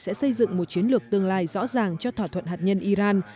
sẽ xây dựng một chiến lược tương lai rõ ràng cho thỏa thuận hạt nhân iran